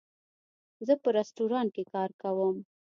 زه په رستورانټ کې کار کوم